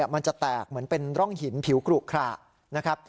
มันจะแตกเหมือนเป็นร่องหินผิวกรุกคลา